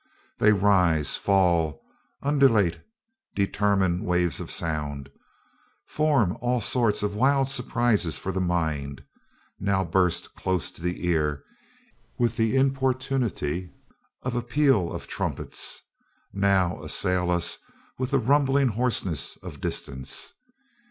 They rise, fall, undulate, determine waves of sound, form all sorts of wild surprises for the mind, now burst close to the ear with the importunity of a peal of trumpets, now assail us with the rumbling hoarseness of distance.